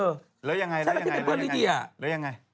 แล้วยังไงแล้วยังไงใช่ไหมที่เป็นเพื่อนลิเจียแล้วยังไง